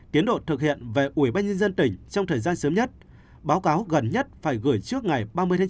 tiến độ thực hiện về ubnd tỉnh trong thời gian sớm nhất báo cáo gần nhất phải gửi trước ngày ba mươi chín hai nghìn hai mươi một